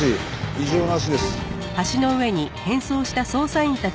異常なしです。